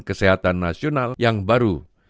kesehatan nasional yang baru